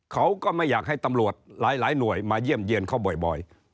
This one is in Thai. เขาก็ไม่อยากให้ตำรวจหลายหน่วยมาเยี่ยมเยี่ยนเขาบ่อย